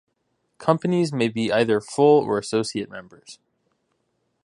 Companies may be either full or associate members.